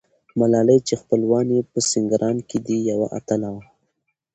ملالۍ چې خپلوان یې په سینګران کې دي، یوه اتله وه.